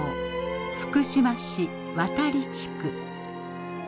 福島市渡利地区。